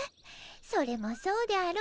それもそうであろう。